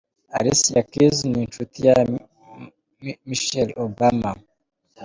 Alcia Keys ni inshuti ya Michelle Obama.